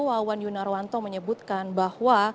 wawan yunarwanto menyebutkan bahwa